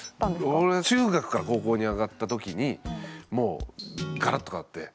俺中学から高校に上がった時にもうガラッと変わって。